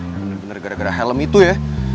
bener bener gara gara helm itu ya